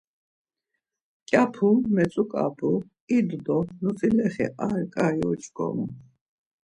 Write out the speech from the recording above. Mǩyapu metzuǩap̌u, idu do notzilexi ar ǩai oç̌ǩomu.